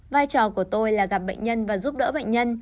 vai trò của tôi là gặp bệnh nhân và giúp đỡ bệnh nhân